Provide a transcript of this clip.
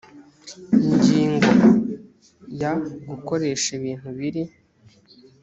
ingingo ya gukoresha ibintu biri